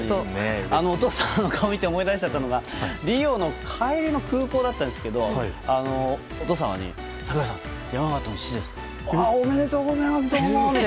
お父さんの顔を見て思い出しちゃったのがリオの帰りの空港だったんですけどお父様に、櫻井さん山縣の父ですと言われて。